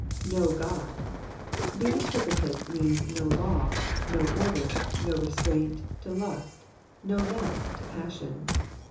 *'iV(> Oody'''' being interpreted, means no law, no order, no restraint to lust, no limit to passion.